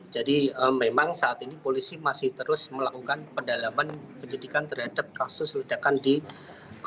jadi memang saat ini polisi masih terus melakukan pendalaman penyidikan terhadap kasus ledakan di grogol